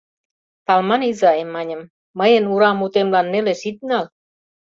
— Талман изай, — маньым, — мыйын ура мутемлан нелеш ит нал.